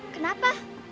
kenapa mbak lastri sendiri